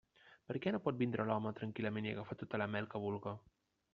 Per què no pot vindre l'home tranquil·lament i agafar tota la mel que vulga?